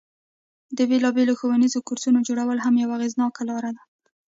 د بیلابیلو ښوونیزو کورسونو جوړول هم یوه اغیزناکه لاره ده.